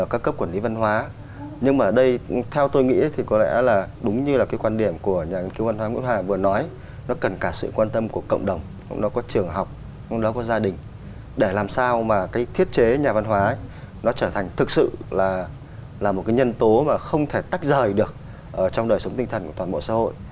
các cấp quản lý văn hóa nhưng mà ở đây theo tôi nghĩ thì có lẽ là đúng như là cái quan điểm của nhà nghiên cứu văn hóa vừa nói nó cần cả sự quan tâm của cộng đồng nó có trường học nó có gia đình để làm sao mà cái thiết chế nhà văn hóa nó trở thành thực sự là một cái nhân tố mà không thể tách rời được trong đời sống tinh thần của toàn bộ xã hội